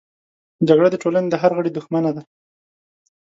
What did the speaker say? جګړه د ټولنې د هر غړي دښمنه ده